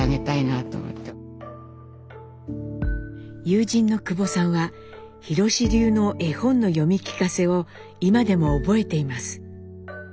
友人の久保さんは弘史流の絵本の読み聞かせを今でも覚えています。